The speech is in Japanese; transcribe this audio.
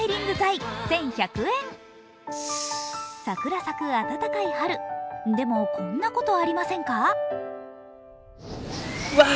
桜咲く暖かい春でもこんなこと、ありませんか？